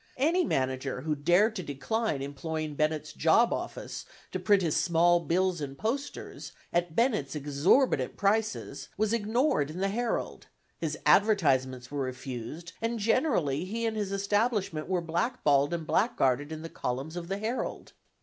Any manager who dared to decline employing Bennett's job office to print his small bills and posters, at Bennett's exorbitant prices, was ignored in the Herald; his advertisements were refused, and generally, he and his establishment were black balled and blackguarded in the columns of the Herald.